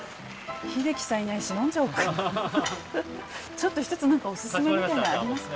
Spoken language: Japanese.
ちょっとちょっと一つ何かオススメみたいなのありますか。